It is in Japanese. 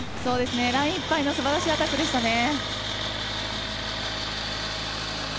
ラインいっぱいの素晴らしいアタックでしたね。